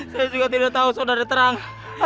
saya juga tidak tahu saudara terang